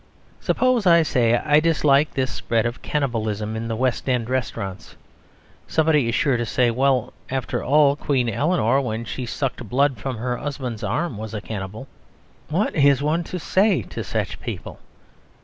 Suppose I say "I dislike this spread of Cannibalism in the West End restaurants." Somebody is sure to say "Well, after all, Queen Eleanor when she sucked blood from her husband's arm was a cannibal." What is one to say to such people?